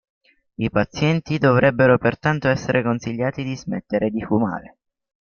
I pazienti dovrebbero pertanto essere consigliati di smettere di fumare.